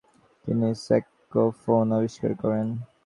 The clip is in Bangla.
তিনি স্যাক্সোফোন আবিষ্কার করেন।